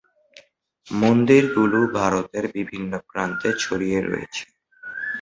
মন্দিরগুলি ভারতের বিভিন্ন প্রান্তে ছড়িয়ে রয়েছে।